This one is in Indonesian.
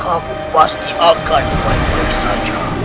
aku pasti akan baik baik saja